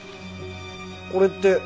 これって。